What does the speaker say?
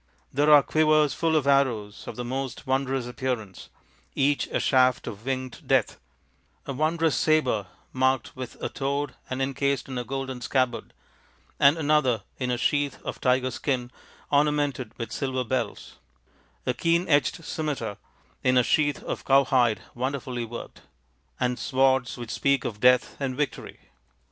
There are quivers full of arrows of most wondrous appearance, each a shaft of winged death; a wondrous sabre marked with a toad and encased in a golden scabbard, and another in a sheath of tiger skin ornamented with silver bells ; a keen edged scimitar in a sheath of cowhide wonderfully worked ; and swords which speak of death and victory."